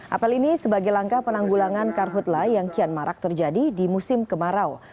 apel ini sebagai langkah penanggulangan karhutlah yang kian marak terjadi di musim kemarau